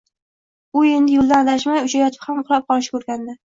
U endi, yo‘lidan adashmay, uchayotib ham uxlab olishga o‘rgandi.